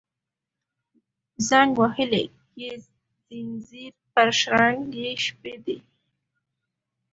زنګ وهلي یې ځینځیر پر شرنګ یې شپې دي